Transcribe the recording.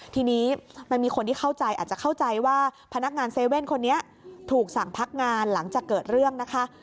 ทีนี้มันมีคนที่เข้าใจอาจจะเข้าใจว่าพนักงาน๗๑๑คนนี้ถูกสั่งพักงานหลังจากเกิดเรื่องนะคะ